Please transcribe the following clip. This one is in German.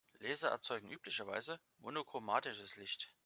Laser erzeugen üblicherweise monochromatisches Licht.